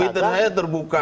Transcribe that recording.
twitter saya terbuka